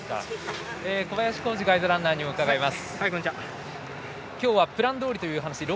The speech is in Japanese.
小林光二ガイドランナーにも伺います。